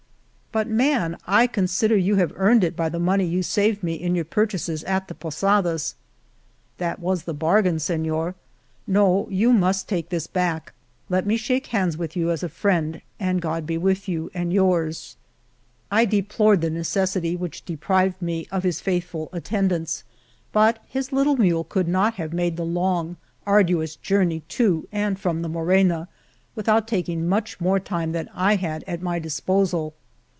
'*" But, man, I consider you have earned it by the money you saved me in your pur chases at the posadas." That was the bargain, Seiior. No, you must take this back. Let me shake hands with you as with a friend, and God be with you and yours." 176 The Morena I deplored the necessity which deprived me of his faithful attendance, but his little mule could not have made the long, arduous journey to and from the Morena without taking much more time than I had at my disposal.